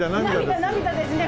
涙涙ですね